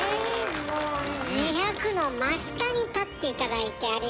「２００」の真下に立って頂いてありがとうございます。